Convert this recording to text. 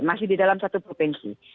masih di dalam satu provinsi